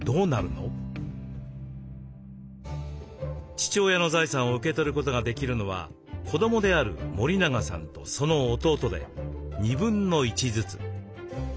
父親の財産を受け取ることができるのは子どもである森永さんとその弟で1/2ずつ。